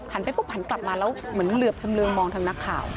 ไปปุ๊บหันกลับมาแล้วเหมือนเหลือบชำเรืองมองทางนักข่าว